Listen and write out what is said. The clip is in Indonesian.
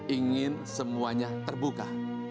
ingin semuanya terbuka